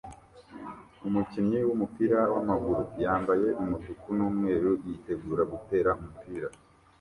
Umukinnyi wumupira wamaguru yambaye umutuku numweru yitegura gutera umupira